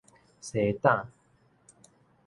西打